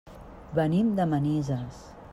Venim de Manises.